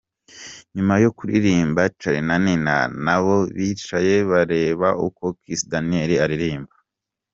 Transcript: Nyuma yo kuririmba, Charly na Nina nabo bicaye bareba uko Kiss Daniel aririmba.